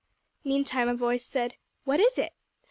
Meantime a voice said, "What is it?"